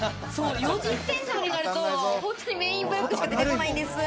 ４時テンションになると、『メン・イン・ブラック』しか出てこないんです。